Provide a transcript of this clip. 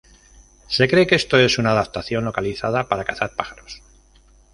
Se cree que esto es una adaptación localizada para cazar pájaros.